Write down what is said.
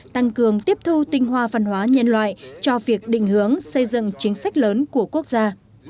tăng cường tiếp thu tinh hoa văn hóa nhân loại cho việc định hướng xây dựng chính sách lớn của quốc gia